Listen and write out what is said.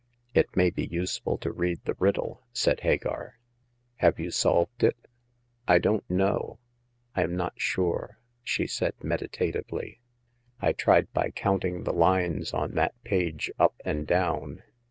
" It may be useful to read the riddle," said Hagar. " Have you solved it ?"" I don't know ; I am not sure," she said, med itatively. " I tried by counting the lines on that page up and down.